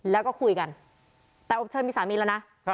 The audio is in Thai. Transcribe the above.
แล้วก็คุยกันแต่อบเชิญมีสามีแล้วนะ